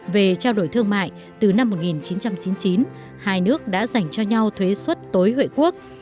về trao đổi thương mại từ năm một nghìn chín trăm chín mươi chín hai nước đã dành cho nhau thuế suất tối hội quốc